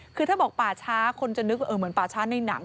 คือถ้าบอกป่าช้าคนจะนึกว่าเหมือนป่าช้าในหนัง